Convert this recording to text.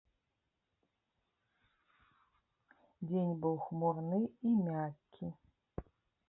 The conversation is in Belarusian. Дзень быў хмурны і мяккі.